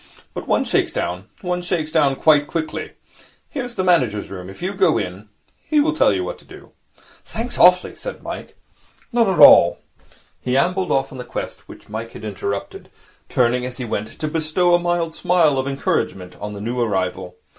But one shakes down. One shakes down quite quickly. Here is the manager's room. If you go in, he will tell you what to do.' 'Thanks awfully,' said Mike. 'Not at all.' He ambled off on the quest which Mike had interrupted, turning, as he went, to bestow a mild smile of encouragement on the new arrival.